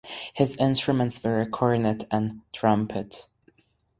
His instruments were cornet and trumpet.